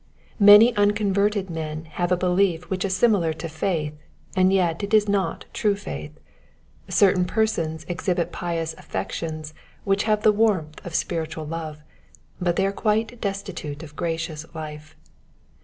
Many unconverted men have a belief which is similar to faith, and yet it is not true faith. Certain persons exhibit pious affections which have the warmth of spiritual love, but are quite destitute of gracious life.